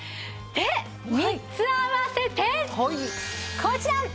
で３つ合わせてこちら！